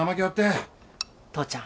父ちゃん。